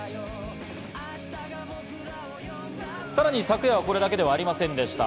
さらに昨夜はこれだけではありませんでした。